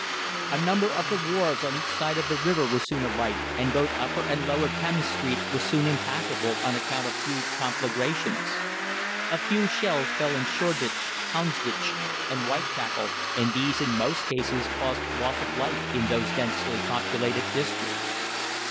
A number of the wharves on each side of the river were soon alight, and both Upper and Lower Thames Streets were soon impassable on account of huge conflagrations. A few shells fell in Shoreditch, Houndsditch, and Whitechapel, and these, in most cases, caused loss of life in those densely populated districts.